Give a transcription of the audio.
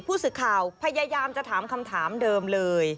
ผู้สื่อข่าวพยายามจะถามคำถามเดิมเลย